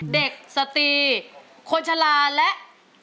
เด็กสตีคนชาลาและ